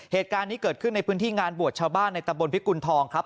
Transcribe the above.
เหตุการณ์นี้เกิดขึ้นในพื้นที่งานบวชชาวบ้านในตำบลพิกุณฑองครับ